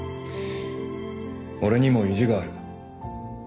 俺にも意地がある。